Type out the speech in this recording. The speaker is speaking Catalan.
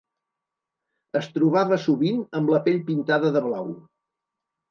Es trobava sovint amb la pell pintada de blau.